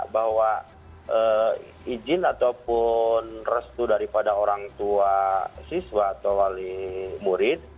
bahwa izin ataupun restu daripada orang tua siswa atau wali murid